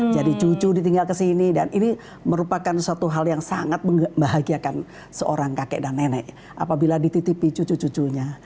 jadi cucu ditinggal ke sini dan ini merupakan suatu hal yang sangat membahagiakan seorang kakek dan nenek apabila dititipi cucu cucunya